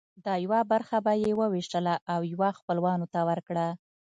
دا یوه برخه به یې وویشله او یوه خپلوانو ته ورکړه.